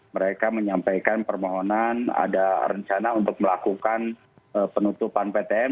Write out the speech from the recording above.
mereka menyampaikan permohonan ada rencana untuk melakukan penutupan ptm